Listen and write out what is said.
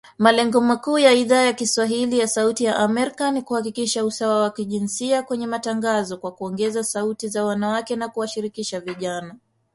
Malengo makuu ya Idhaa ya kiswahili ya Sauti ya Amerika ni kuhakikisha usawa wa kijinsia kwenye matangazo kwa kuongeza sauti za wanawake na kuwashirikisha vijana.